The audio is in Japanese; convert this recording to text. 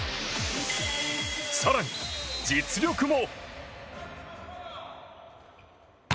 更に、実力も。